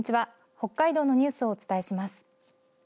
北海道のニュースをお伝えします。